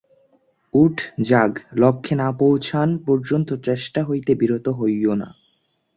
উঠ জাগ, লক্ষ্যে না পৌঁছান পর্যন্ত চেষ্টা হইতে বিরত হইও না।